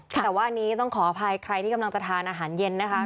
แต่ว่าอันนี้ต้องขออภัยใครที่กำลังจะทานอาหารเย็นนะคะ